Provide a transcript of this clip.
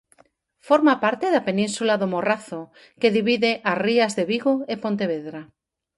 Forma parte da península do Morrazo, que divide as rías de Vigo e Pontevedra.